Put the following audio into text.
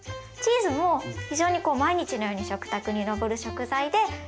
チーズも非常にこう毎日のように食卓に上る食材で。